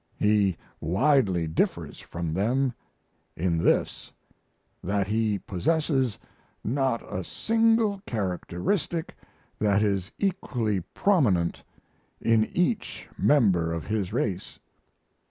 He widely differs from them in this: that he possesses not a single characteristic that is equally prominent in each member of his race.